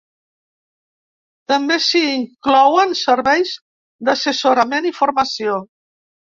També s’hi inclouen serveis d’assessorament i formació.